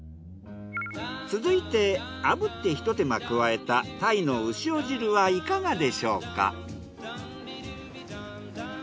続いて炙ってひと手間加えたタイの潮汁はいかがでしょうか？